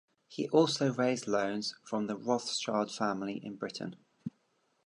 He also raised loans from the Rothschild family in Britain.